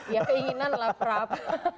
ya keinginan lah prabu